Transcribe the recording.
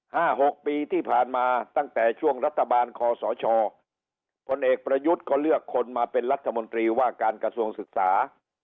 หกปีที่ผ่านมาตั้งแต่ช่วงรัฐบาลคอสชพลเอกประยุทธ์ก็เลือกคนมาเป็นรัฐมนตรีว่าการกระทรวงศึกษา